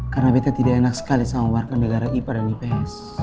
karena beta tidak enak sekali sama warga negara ipa dan ips